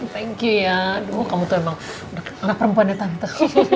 thank you ya dulu kamu tuh emang anak perempuannya tante